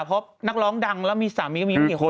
เพราะนักร้องดังแล้วมีสามีก็มีไม่กี่คน